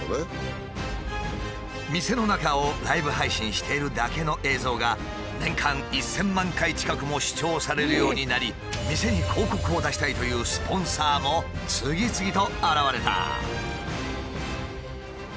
店の中をライブ配信しているだけの映像が年間１，０００万回近くも視聴されるようになり店に広告を出したいというスポンサーも次々と現れた。